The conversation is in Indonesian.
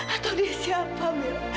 atau dia siapa mila